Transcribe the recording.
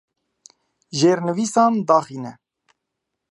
Jêrnivîsan daxîne.